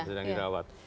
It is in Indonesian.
yang sedang dirawat